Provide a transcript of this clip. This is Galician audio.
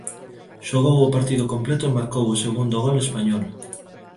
Xogou o partido completo e marcou o segundo gol español.